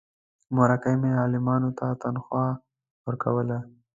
مورکۍ مې عالمانو ته تنخوا ورکوله.